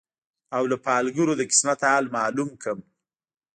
او له پالګرو د قسمت حال معلوم کړم